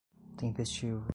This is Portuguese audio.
tempestivo